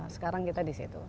sekarang kita di situ